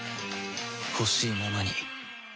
ほしいままに